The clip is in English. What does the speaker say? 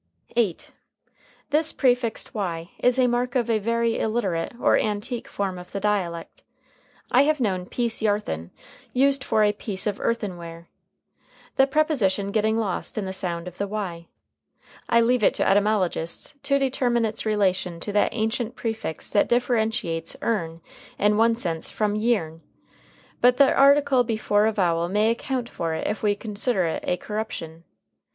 ] [Footnote 8: This prefixed y is a mark of a very illiterate or antique form of the dialect. I have known piece yarthen used for "a piece of earthen" [ware], the preposition getting lost in the sound of the y. I leave it to etymologists to determine its relation to that ancient prefix that differentiates earn in one sense from yearn. But the article before a vowel may account for it if we consider it a corruption.